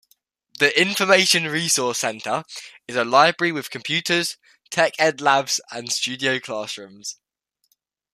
The Information Resource Center is a library with computers, tech-ed labs, and studio classrooms.